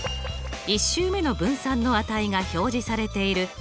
１週目の分散の値が表示されている